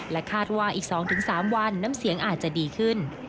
และคาดว่าอีกสองถึงสามวันน้ำเสียงอาจจะดีขึ้น